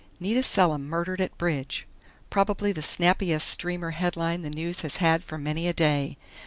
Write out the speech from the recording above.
'NITA SELIM MURDERED AT BRIDGE'.... Probably the snappiest streamer headline the News has had for many a day....